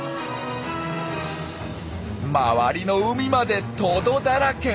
周りの海までトドだらけ。